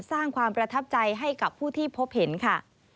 สร้างความประทับใจให้กับผู้ที่พบเห็นค่ะ